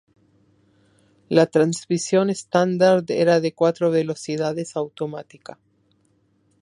La transmisión estándar era de cuatro-velocidades automática.